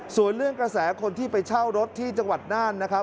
ส่วนเรื่องกระแสคนที่ไปเช่ารถที่จังหวัดน่านนะครับ